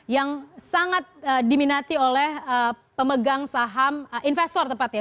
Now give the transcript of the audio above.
yang sangat diminati oleh pemegang saham investor tepat ya